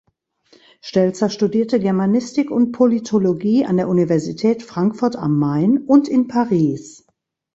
Stelzer studierte Germanistik und Politologie an der Universität Frankfurt am Main und in Paris.